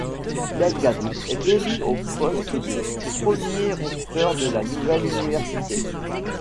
Delgado est élu au poste de premier recteur de la nouvelle université.